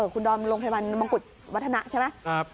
คุณดอมโรงพยาบาลมงกุฎวัฒนะใช่ไหม